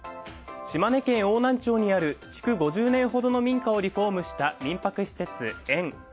島根県邑南町にある築５０年ほどの民家をリフォームした民泊施設、縁。